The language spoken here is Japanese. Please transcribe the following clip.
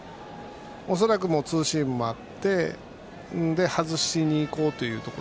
恐らくツーシームもあって外しに行こうという。